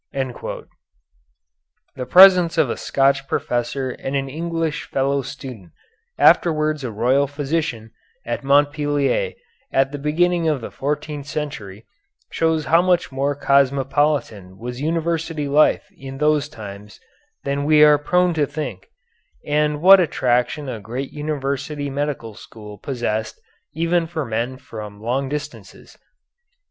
The presence of a Scotch professor and an English fellow student, afterwards a royal physician, at Montpellier, at the beginning of the fourteenth century, shows how much more cosmopolitan was university life in those times than we are prone to think, and what attraction a great university medical school possessed even for men from long distances.